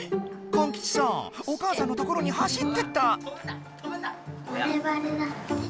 歓吉さんお母さんのところに走ってった。